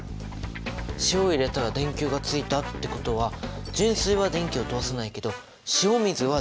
塩を入れたら電球がついたってことは純水は電気を通さないけど塩水は電気を通すんだね！